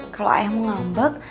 kalo ayah mau ngambek